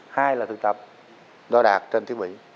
hai là thực tập đo đạt trên thiết bị